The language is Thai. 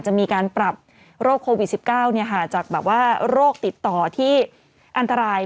จะมีการปรับโรคโควิด๑๙จากโรคติดต่อที่อันตราย